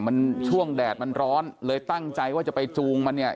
มันช่วงแดดมันร้อนเลยตั้งใจว่าจะไปจูงมันเนี่ย